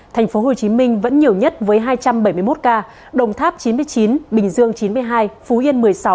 thành phố hồ chí minh vẫn nhiều nhất với hai trăm bảy mươi một ca đồng tháp chín mươi chín bình dương chín mươi hai phú yên một mươi sáu